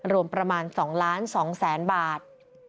รวมประมาณ๒ล้าน๒แสนบาท